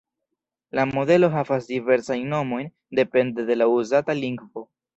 La modelo havas diversajn nomojn depende de la uzata lingvo.